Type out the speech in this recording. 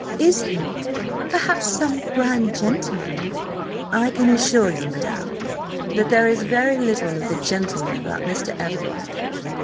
Is he, perhaps, some grand gentleman?" "I can assure you, madam, that there is very little of the gentleman about Mr. Everard."